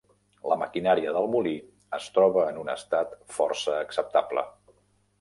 La maquinària del molí es troba en un estat força acceptable.